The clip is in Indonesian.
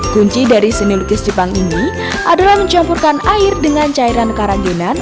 kunci dari seni lukis jepang ini adalah mencampurkan air dengan cairan keraginan